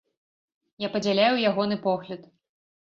Я падзяляю ягоны погляд.